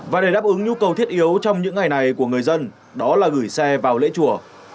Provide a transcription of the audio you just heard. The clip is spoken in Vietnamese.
và để đáp ứng nhu cầu thiết yếu trong những ngày này của người dân đó là gửi xe vào lễ chùa